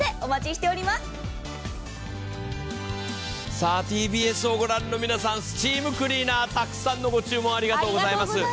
さあＴＢＳを御覧の皆さん、スチームクリーナーたくさんのご注文ありがとうございます。